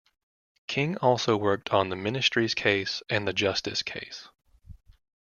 King also worked on the Ministries Case and the Justice Case.